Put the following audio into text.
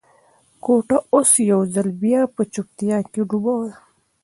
کوټه اوس یو ځل بیا په چوپتیا کې ډوبه ده.